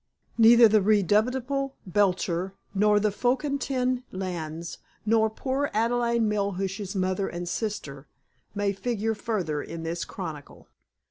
Neither the redoubtable Belcher, nor the Bokfontein Lands, nor poor Adelaide Melhuish's mother and sister may figure further in this chronicle.